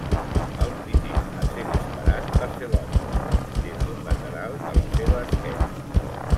El primer a ser disparat va ser l'home, des d'un lateral de la seva esquena.